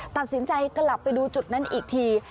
ตัดสินใจกลับไปดูจุดนั้นอีกที